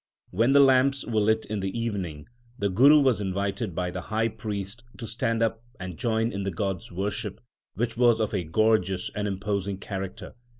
When the lamps were lit in the evening the Guru was invited by the high priest to stand up and join in the god s worship, which was of a gorgeous and imposing character.